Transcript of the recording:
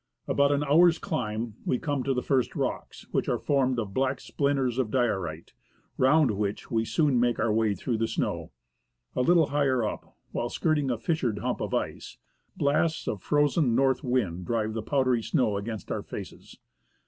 After about an hour's climb, we come to the first rocks, which are formed of black splinters of diorite, round which we soon make our way through the snow. A little higher up, while skirting a fissured hump of ice, blasts of frozen north wind drive the powdery snow against our faces.